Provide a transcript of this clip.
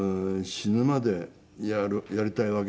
死ぬまでやりたいわけだから。